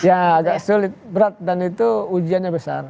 ya agak sulit berat dan itu ujiannya besar